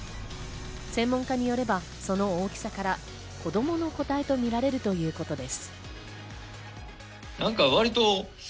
専門家によれば、その大きさから子供の個体とみられるということです。